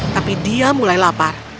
tapi dia mulai lapar